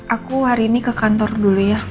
aku hari ini ke kantor dulu ya